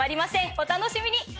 お楽しみに！